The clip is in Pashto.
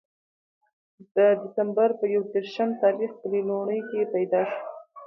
د دسمبر پۀ يو ديرشم تاريخ پۀ ليلوڼۍ کښې پېداشو